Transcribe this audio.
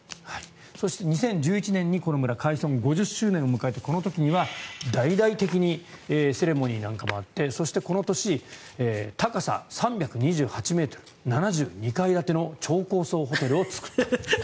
そして、２０１１年にこの村は開村５０周年を迎えてこの時には大々的にセレモニーなんかもあってそして、この年高さ３２７ｍ、２７階建ての超高層ホテルを作った。